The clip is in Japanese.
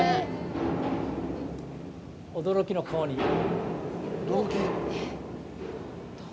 驚きの顔に。